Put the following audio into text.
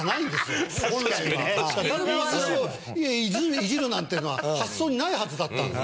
いじるなんていうのは発想にないはずだったんです。